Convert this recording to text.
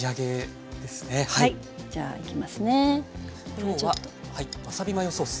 今日はわさびマヨソース。